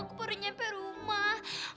aku baru nyampe rumah